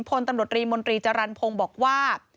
พลตำรวจรีมนตรีจรรพงศ์บอกว่า